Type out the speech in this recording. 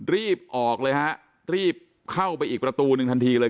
รีบออกเลยฮะรีบเข้าไปอีกประตูหนึ่งทันทีเลย